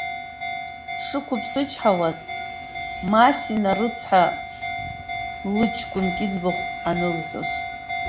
Дышԥақәыԥсычҳауаз Масина рыцҳа, лыҷкәынк иӡбахә анылҳәоз.